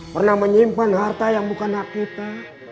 pernah menyimpan harta yang bukan hak kita